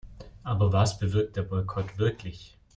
Aber was bewirkt der Boykott wirklich?